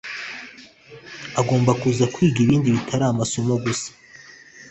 agomba kuza kwiga n’ibindi bitari amasomo gusa